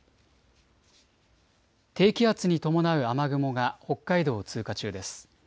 低気圧に伴う雨雲が北海道を通過中です。